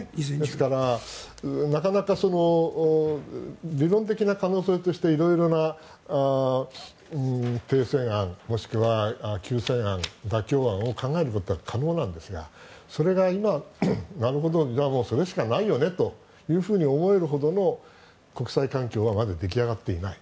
ですからなかなか理論的な可能性として色々な停戦案もしくは休戦案、妥協案を考えることは可能ですがそれが今、なるほどじゃあそれしかないよねと思えるほどの国際環境はまだ出来上がっていない。